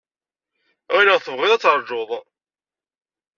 Ɣileɣ tellid tebɣid ad teṛjud.